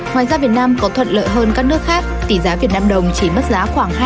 ngoài ra việt nam có thuận lợi hơn các nước khác tỷ giá việt nam đồng chỉ mất giá khoảng hai mươi